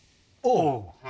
おう。